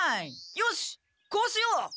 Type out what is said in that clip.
よしこうしよう。